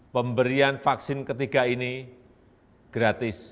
pemberian vaksin ketiga ini gratis